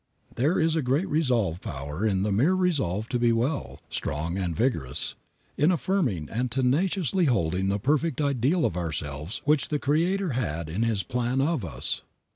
There is a great restorative power in the mere resolve to be well, strong and vigorous, in affirming and tenaciously holding the perfect ideal of ourselves which the Creator had in His plan of us.